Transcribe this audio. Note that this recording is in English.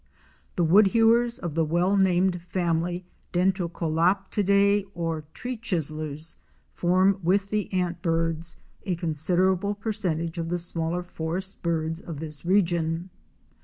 The Woodhewers of the well named family Dendrocolap tidae, or Tree chisellers, form with the Antbirds a con siderable percentage of the smaller forest birds of this region.